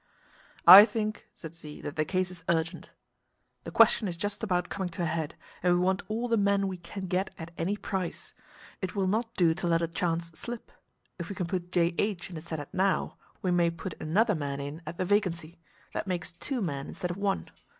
"I think," said Z, "that the case is urgent. The question is just about coming to a head, and we want all the men we can get at any price. It will not do to let a chance slip. If we can put J.H. in the senate now, we may put another man in at the vacancy. That makes two men instead of one.